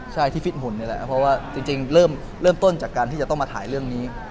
ใช่ที่ฟิตหุ่นนี่แหละเพราะว่าจริงเริ่มต้นจากการที่จะต้องมาถ่ายเรื่องนี้